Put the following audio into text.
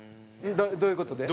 どういう事で？